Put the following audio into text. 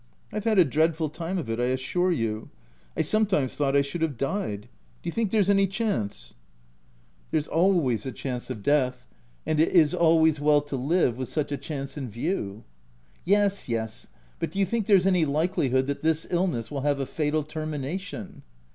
I've had a dreadful time of it, I assure you : I sometimes thought I should have died — do you think there's any chance ?" 210 THE TENANT " There's always a chance of death ; and it is always well to live with such a chance in view.'* "Yes, yes— but do you think there's any likelihood that this illness will have a fatal ter mination